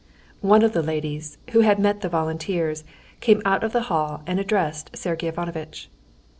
One of the ladies, who had met the volunteers, came out of the hall and addressed Sergey Ivanovitch.